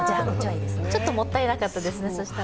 ちょっともったいなかったですね、そしたら。